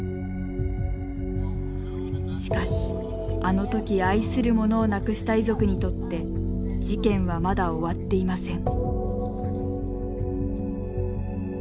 しかしあの時愛する者を亡くした遺族にとって事件はまだ終わっていません。